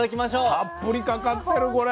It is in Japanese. たっぷりかかってるこれ。